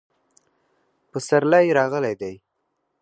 پسرلی راغلی دی